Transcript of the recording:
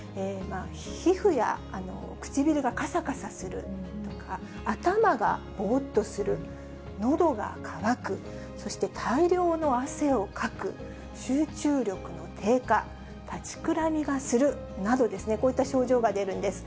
皮膚や唇がかさかさするとか、頭がぼーっとする、のどが渇く、そして大量の汗をかく、集中力の低下、立ちくらみがするなど、こういった症状が出るんです。